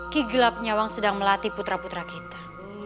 kigelap nyawang sedang melatih putra putra kita